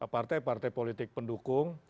partai partai politik pendukung